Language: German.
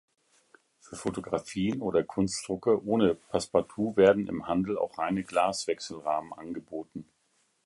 Für Fotografien oder Kunstdrucke ohne Passepartout werden im Handel auch reine Glas-Wechselrahmen angeboten.